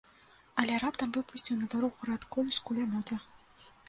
Але раптам выпусціў на дарогу град куль з кулямёта.